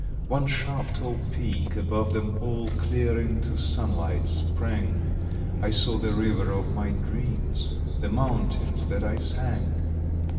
One sharp, tall peak above them all Clear into sunlight sprang I saw the river of my dreams, The mountains that I sang!